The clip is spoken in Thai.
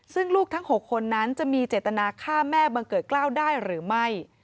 ซึ่งลูกทั้ง๖คนนั้นจะมีเจตนาฆ่าแม่บังเกิดกล้าวได้หรือไม่